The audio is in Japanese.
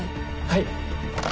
はい。